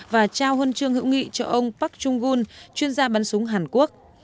và trao huấn trương hữu nghị cho ông park chung gun chuyên gia bắn súng hàn quốc